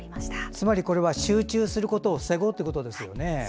つまり集中することを防ごうということですね。